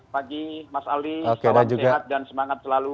pagi mas ali salam sehat dan semangat selalu